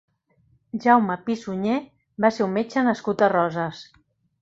Jaume Pi i Sunyer va ser un metge nascut a Roses.